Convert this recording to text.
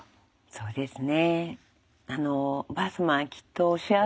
そうですね。